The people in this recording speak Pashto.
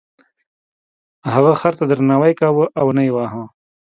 هغه خر ته درناوی کاوه او نه یې واهه.